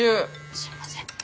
すいません。